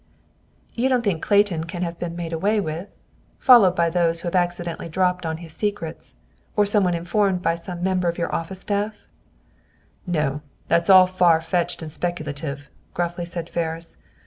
"You don't think Clayton can have been made away with? Followed by those who have accidentally dropped on his secrets, or some one informed by some member of your office staff?" "No; that's all far fetched and speculative," gruffly said Ferris.